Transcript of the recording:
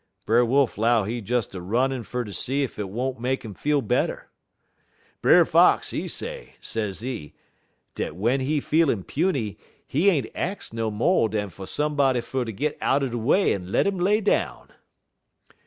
"Brer Wolf 'low he des a runnin' fer ter see ef 't won't mak 'im feel better. Brer Fox, he say, sezee, dat w'en he feelin' puny, he ain't ax no mo' dan fer somebody fer ter git out de way en let 'im lay down.